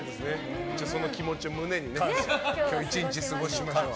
その気持ちを胸に今日１日過ごしましょう。